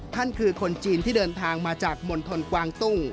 คือคนจีนที่เดินทางมาจากมณฑลกวางตุ้ง